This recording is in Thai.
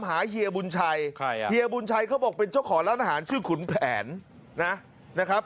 เฮียบุญชัยเฮียบุญชัยเขาบอกเป็นเจ้าของร้านอาหารชื่อขุนแผนนะครับ